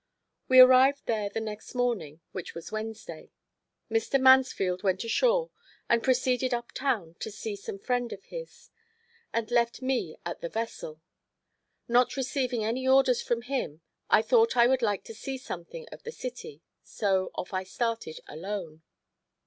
We arrived there the next morning, which was Wednesday. Mr. Mansfield went ashore and proceeded up town to see some friend of his, and left me at the vessel. Not receiving any orders from him I thought I would like to see something of the city; so off I started alone.